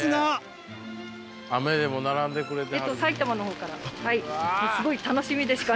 雨でも並んでくれてはる。